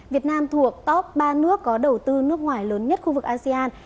việt nam thuộc top ba nước có đầu tư nước ngoài lớn nhất khu vực asean